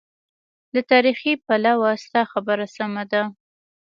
له تاریخي پلوه ستا خبره سمه ده.